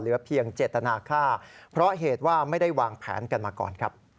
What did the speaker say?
เพียงเจตนาค่าเพราะเหตุว่าไม่ได้วางแผนกันมาก่อนครับ